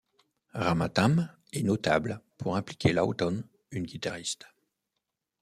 Ramatam est notable pour impliquer Lawton, une guitariste.